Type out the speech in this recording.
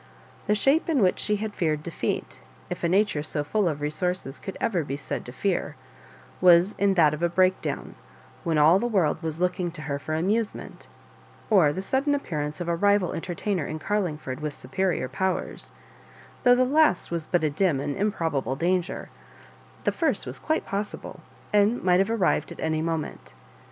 The shape in which she had feared defeat, if a nature so full of resources cqpld ever \^e said to fear, was in that of a breakdown, when all the world was looking to her for amusement, or the sudden appearance of a rival entertainer in Carlingford with superior powers: though the last was but a dim and improbable danger, the first was quite possible, and might have ~ arrived at any moment.